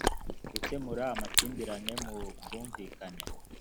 gukemura amakimbirane mu bwumvikane